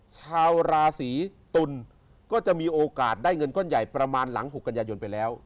ชาวราศีตุลก็จะมีโอกาสได้เงินก้อนใหญ่ประมาณหลัง๖กันยายนไปแล้ว